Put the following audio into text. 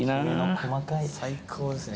最高ですね。